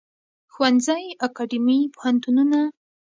ښوونځی اکاډیمی پوهنتونونه